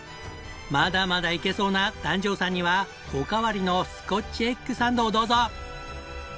まだまだいけそうな檀上さんにはおかわりのスコッチエッグサンドをどうぞ。